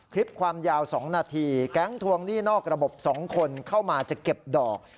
คลิปความยาว๒นาทีแก๊งทวงหนี้นอกระบบ๒คนเข้ามาจะเก็บดอก